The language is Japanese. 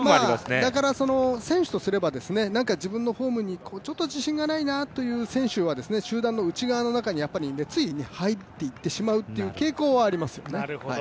だから選手とすればちょっと自分のフォームに自信がないなっていう選手は集団の内側の中につい入ってしまうという傾向はありますよね。